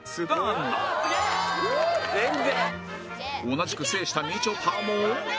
同じく制したみちょぱも